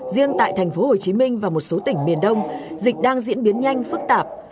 riêng tại thành phố hồ chí minh và một số tỉnh miền đông dịch đang diễn biến nhanh phức tạp